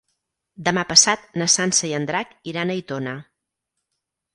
Demà passat na Sança i en Drac iran a Aitona.